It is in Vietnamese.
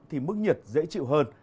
thì mức nhiệt dễ chịu hơn